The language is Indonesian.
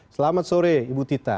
selamat sore ibu tita